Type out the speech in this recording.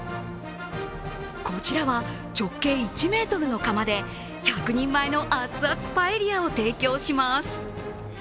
こちらは、直径１ｍの釜で１００人前の熱々パエリアを提供します。